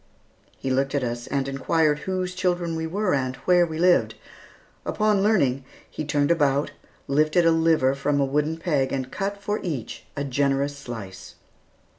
He looked at us, and inquired whose children we were, and where we lived. Upon learning, he turned about, lifted a liver from a wooden peg and cut for each, a generous slice.